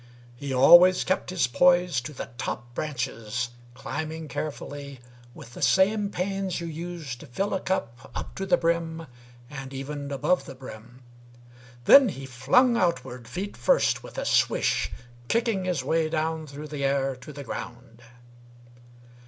He always kept his poise To the top branches, climbing carefully With the same pains you use to fill a cup Up to the brim, and even above the brim. Then he flung outward, feet first, with a swish, Kicking his way down through the air to the ground.